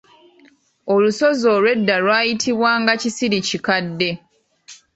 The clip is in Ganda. Olusozi olwo edda lwayitibwanga Kisirikikadde.